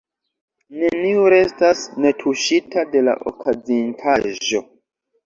Neniu restas netuŝita de la okazintaĵo.